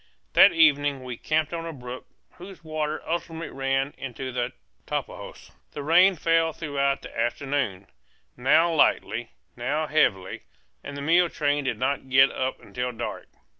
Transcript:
That evening we camped on a brook whose waters ultimately ran into the Tapajos. The rain fell throughout the afternoon, now lightly, now heavily, and the mule train did not get up until dark.